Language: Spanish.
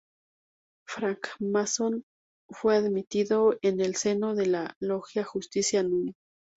Francmasón, fue admitido en el seno de la logia "Justicia núm.